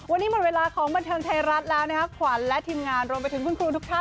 วันนี้หมดเวลาของบันเทิงไทยรัฐแล้วนะคะขวัญและทีมงานรวมไปถึงคุณครูทุกท่าน